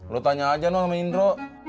lu tanya aja no sama indro